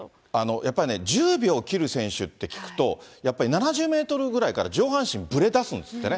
やっぱりね、１０秒を切る選手って聞くと、やっぱり７０メートルぐらいから、上半身ぶれだすんですってね。